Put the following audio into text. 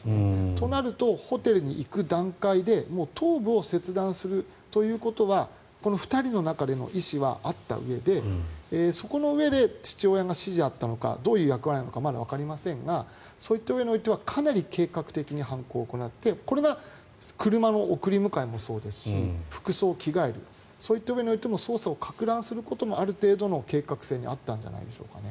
となると、ホテルに行く段階で頭部を切断するということはこの２人の中での意思はあったうえでそこのうえで父親が指示をやったのかどういう役割なのかまだわかりませんがそういったことにおいてはかなり計画的に犯行を行ってこれが車の送り迎えもそうですし服装を着替えるそういったうえにおいても捜査をかく乱することがある程度、計画にあったんじゃないですかね。